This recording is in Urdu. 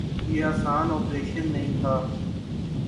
یہ آسان آپریشن نہ تھا۔